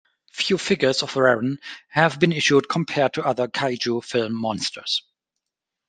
Few figures of Varan have been issued compared to other kaiju film monsters.